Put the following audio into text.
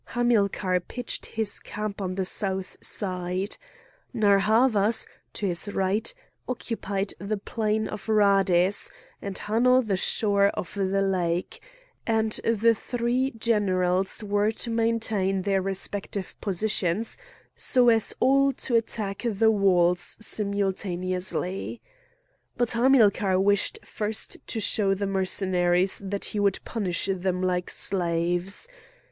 Hamilcar pitched his camp on the south side; Narr' Havas, to his right, occupied the plain of Rhades, and Hanno the shore of the lake; and the three generals were to maintain their respective positions, so as all to attack the walls simultaneously. But Hamilcar wished first to show the Mercenaries that he would punish them like slaves.